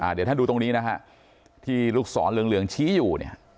เดี๋ยวท่านดูตรงนี้นะฮะที่ลูกศรเหลืองชี้อยู่เนี่ย